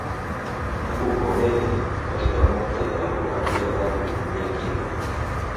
Hakukomei katika muktadha wa kuwaambia watu kutumia kinga pekee